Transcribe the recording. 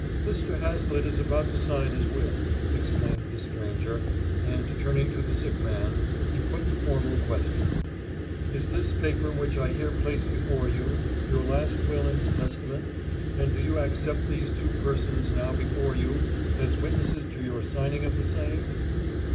"Mr. Hazlitt is about to sign his will," explained the stranger; and turning to the sick man, he put the formal question: "Is this paper which I here place before you, your last will and testament? And do you accept these two persons now before you as witnesses to your signing of the same?"